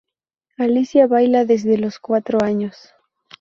Alicia baila desde los cuatro años.